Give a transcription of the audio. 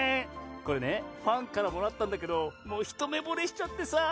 これねファンからもらったんだけどもうひとめぼれしちゃってさぁ！